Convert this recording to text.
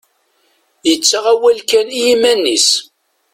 Yettaɣ awal kan i yiman-is.